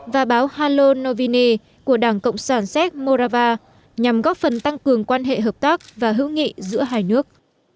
và báo halo novine của đảng cộng sản séc morava nhằm góp phần tăng cường quan hệ hợp tác và hữu nghị giữa hai nước